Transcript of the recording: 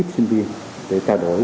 tiếp sinh viên để trao đổi